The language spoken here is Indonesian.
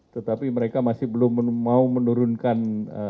tetapi mereka masih belum mau menurunkan